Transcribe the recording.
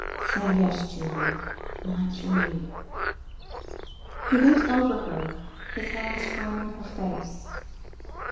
Say yes, Julie my Julie!" He bent over her, his hands framing her face.